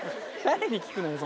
誰に聞くのよ？